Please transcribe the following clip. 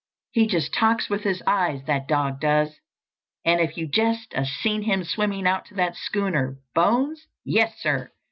He just talks with his eyes, that dog does. And if you'd just 'a' seen him swimming out to that schooner! Bones? Yes, sir!